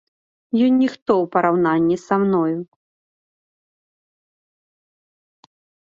Ён ніхто ў параўнанні са мною.